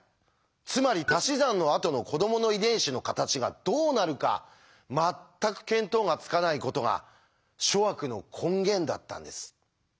つまりたし算のあとの“子ども”の遺伝子の形がどうなるか全く見当がつかないことが諸悪の根源だったんです。